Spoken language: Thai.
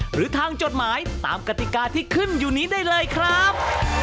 หรือทางจดหมายตามกติกาที่ขึ้นอยู่นี้ได้เลยครับ